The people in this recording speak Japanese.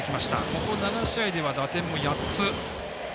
ここ７試合では打点も８つ。